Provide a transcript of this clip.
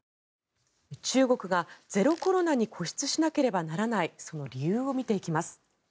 中国がゼロコロナに固執しなければらないその理由を見ていきます。